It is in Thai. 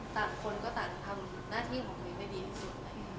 คนก็ต่างทำหน้าที่ของตัวเองได้ดีที่สุด